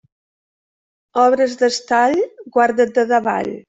Obres d'estall, guarda't de davall.